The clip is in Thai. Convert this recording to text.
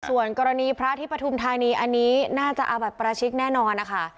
ส่วนกรณีพระอธิปถุมทันีอันนี้ในอาบัดปราชิกแน่นอน